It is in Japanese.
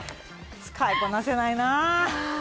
使いこなせないな。